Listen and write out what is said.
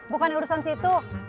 bukan urusan situ